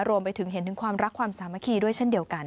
รวมไปถึงเห็นถึงความรักความสามัคคีด้วยเช่นเดียวกัน